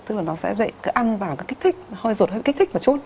tức là nó sẽ dậy cứ ăn và nó kích thích hơi ruột hơi kích thích một chút